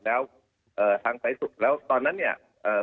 แล้วต้องส่งตัวหน้างกายนะครับ